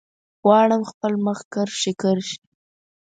غواړم خپل مخ کرښې، کرښې